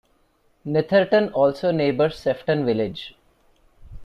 Netherton also neighbours Sefton Village.